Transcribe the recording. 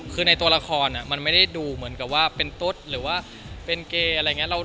คือในตัวละครมันไม่ได้ดูเหมือนกับว่าเป็นตุ๊ดหรือว่าเป็นเกย์อะไรอย่างนี้